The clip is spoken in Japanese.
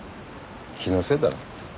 気のせいだろ。